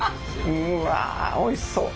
うわおいしそう。